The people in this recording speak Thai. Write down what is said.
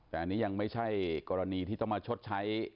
แต่อันนี้ยังไม่ใช่กรณีที่ต้องมาชดใช้